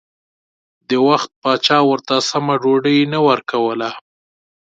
د وخت پاچا ورته سمه ډوډۍ نه ورکوله.